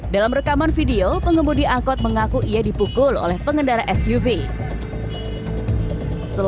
dalam rekomendasi seorang pengemudi mobil suv berplat nomor berakhiran rfp dan memakai lampu strobo juga viral di media sosial